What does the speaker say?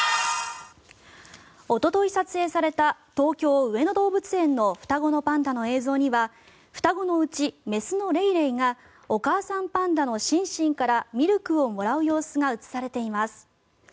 おととい撮影された東京・上野動物園の双子のパンダの映像には双子のうち雌のレイレイがお母さんパンダのシンシンからミルクをもらう様子が映されています。